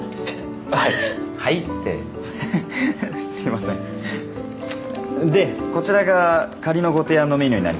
はい「はい」ってふふふっすいませんでこちらが仮のご提案のメニューになります